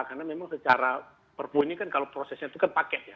karena memang secara perpunyikan kalau prosesnya itu kan paketnya